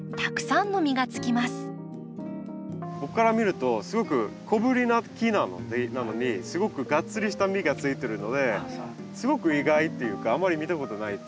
ここから見るとすごく小ぶりな木なのにすごくがっつりした実がついてるのですごく意外っていうかあんまり見たことないっていうか。